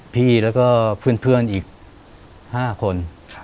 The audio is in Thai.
พี่แล้วก็เพื่อนอีก๕คน